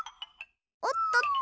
おっとっと。